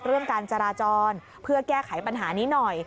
เรื่องการจราจรเพื่อแก้ไขปัญหานี้หน่อย